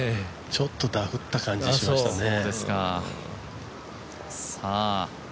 ちょっとダフった感じしましたね。